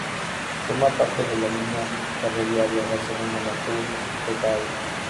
Forma parte de la línea ferroviaria Barcelona-Latour-de-Carol.